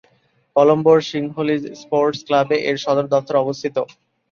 কলম্বোর Sinhalese sports ক্লাবে এর সদর দফতর অবস্থিত।